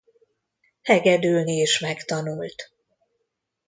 Hegedülni is megtanult.